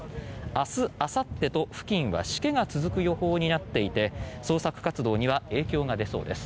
明日、あさってと付近はしけが続く予報になっていて捜索活動には影響が出そうです。